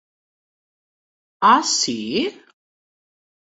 Ah, si?